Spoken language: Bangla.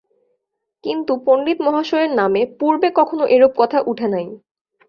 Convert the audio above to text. কিন্তু পণ্ডিতমহাশয়ের নামে পূর্বে কখনো এরূপ কথা উঠে নাই।